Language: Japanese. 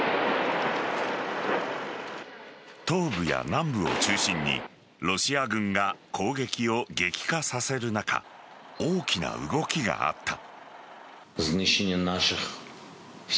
東部や南部を中心にロシア軍が攻撃を激化させる中大きな動きがあった。